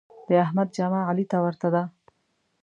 د احمد جامه علي ته ورته ده.